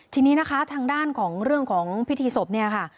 ทีนี้นะคะทางด้านของเรื่องของพิธีศพเนี่ยค่ะ